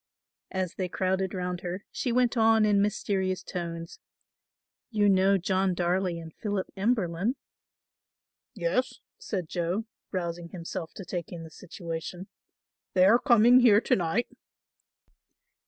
As they crowded round her she went on in mysterious tones, "You know John Darley and Philip Emberlin." "Yes," said Joe, rousing himself to take in the situation, "they are coming here to night."